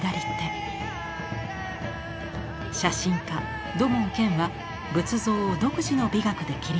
写真家土門拳は仏像を独自の美学で切り取りました。